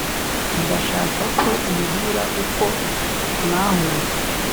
ndashaka ko umbwira uko mwahuye